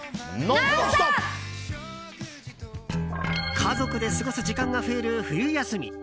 家族で過ごす時間が増える冬休み。